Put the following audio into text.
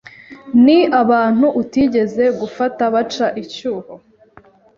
ni abantu utigeze gufata baca icyuho,